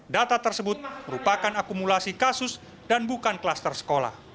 data tersebut merupakan akumulasi kasus dan bukan kluster sekolah